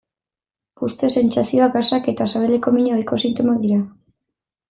Puzte-sentsazioa, gasak eta sabeleko mina ohiko sintomak dira.